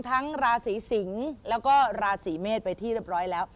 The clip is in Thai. ราศีสิงศ์แล้วก็ราศีเมษไปที่เรียบร้อยแล้ว